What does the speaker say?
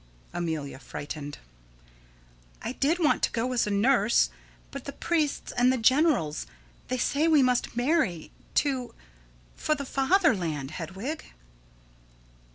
Amelia: [Frightened.] I did want to go as a nurse, but the priests and the generals they say we must marry to for the fatherland, Hedwig.